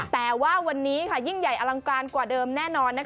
แต่ว่าวันนี้ยิ่งใหญ่อลังการกว่าเดิมแน่นอน